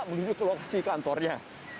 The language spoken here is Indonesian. menuju ke lokasi kantornya